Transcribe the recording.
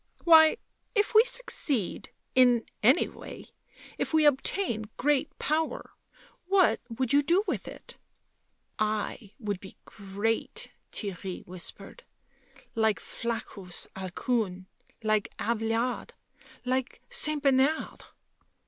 " Why, if we succeed — in any way — if we obtain great power ... what would you do with it?" " I would be great," Theirry whispered. " Like Flaccus Alcuin, like Abelard — like St. Bernard."